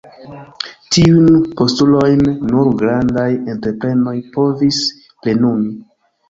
Tiujn postulojn nur grandaj entreprenoj povis plenumi.